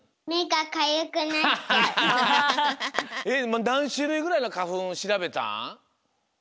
いまなんしゅるいぐらいのかふんしらべたん？